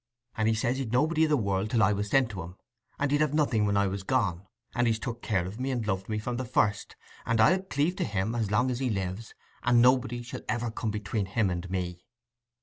And he says he'd nobody i' the world till I was sent to him, and he'd have nothing when I was gone. And he's took care of me and loved me from the first, and I'll cleave to him as long as he lives, and nobody shall ever come between him and me."